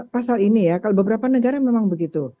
pasal ini ya kalau beberapa negara memang begitu